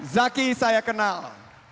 zaki saya kenal